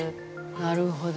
なるほど。